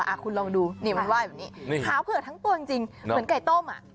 อ่ะคุณลองดูนี่มันไหว้แบบนี้ขาวเผื่อทั้งตัวจริงเหมือนไก่ต้มอ่ะ